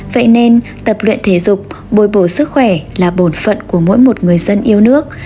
vậy nên tập luyện thể dục bồi bổ sức khỏe là bổn phận của mỗi một người dân yêu nước